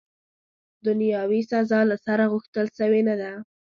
دنیاوي سزا، له سره، غوښتل سوې نه ده.